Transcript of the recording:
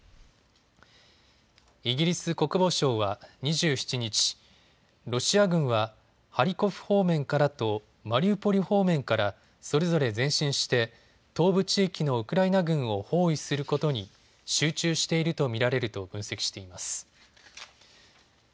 イギリス国防省は２７日、ロシア軍はハリコフ方面からとマリウポリ方面からそれぞれ前進して東部地域のウクライナ軍を包囲することに集中していると見られると分析しています。